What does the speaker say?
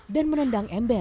dan menendang ember